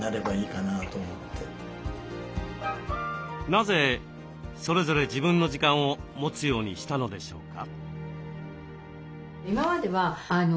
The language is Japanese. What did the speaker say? なぜそれぞれ自分の時間を持つようにしたのでしょうか？